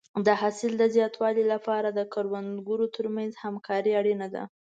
د حاصل د زیاتوالي لپاره د کروندګرو ترمنځ همکاري اړینه ده.